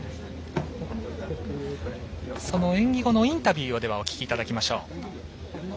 その演技後のインタビューをお聞きいただきましょう。